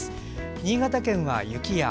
新潟県は雪や雨。